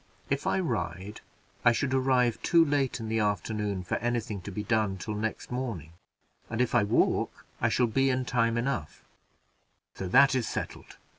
If I ride, I should arrive too late in the afternoon for any thing to be done till next morning, and if I walk I shall be in time enough; so that is settled.